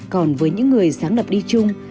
còn với những người sáng lập đi chung